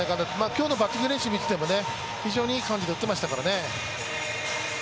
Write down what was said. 今日のバッティング練習見てても非常にいい感じで打ってましたからね。